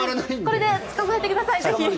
これでぜひ捕まえてください。